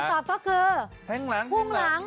คำตอบก็คือหุ้งหลัง